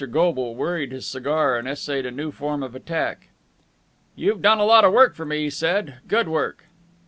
Goble worried his cigar, and essayed a new form of attack. "You've done a lot of work for me," he said. "Good work!"